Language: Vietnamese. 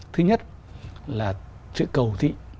thứ nhất là sự cầu thị